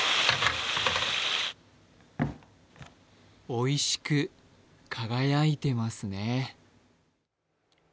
おいしく輝いてますね。